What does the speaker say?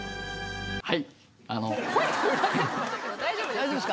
はい。